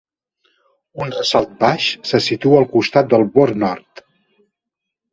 Un ressalt baix se situa al costat del bord nord.